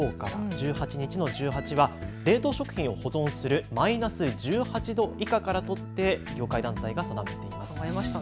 １８日の１８は冷凍食品を保存するマイナス１８度以下から取って業界団体が定めています。